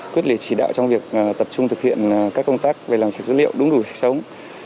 quyết liệt chỉ đạo trong việc tập trung thực hiện các công tác về làm sạch dữ liệu đúng đủ sạch sống